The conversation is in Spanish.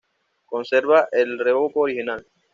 Conserva el revoco original.